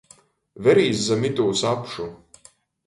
Verīs zam itūs apšu!